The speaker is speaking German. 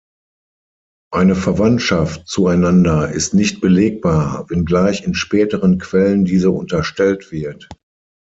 Eine Verwandtschaft zueinander ist nicht belegbar, wenngleich in späteren Quellen diese unterstellt wird.